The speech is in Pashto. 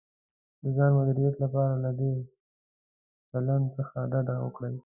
د ځان د مدیریت لپاره له دې چلند څخه ډډه وکړئ: